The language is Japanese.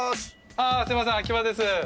あっすみません秋葉です。